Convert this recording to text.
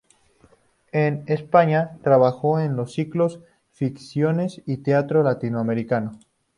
En España trabajó en los ciclos "Ficciones" y "Teatro Latinoamericano".